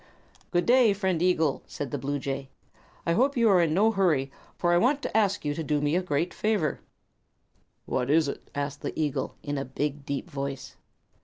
"Good day, friend eagle," said the bluejay; "I hope you are in no hurry, for I want to ask you to do me a great favor." "What is it?" asked the eagle, in a big, deep voice.